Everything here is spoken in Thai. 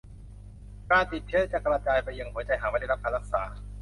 การติดเชื้อจะกระจายไปยังหัวใจหากไม่ได้รับการรักษา